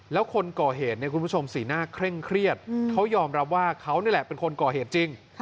แล้วคนก่อเหตุเนี่ยคุณผู้ชมสีหน้าเคร่งเครียดเขายอมรับว่าเขานี่แหละเป็นคนก่อเหตุจริง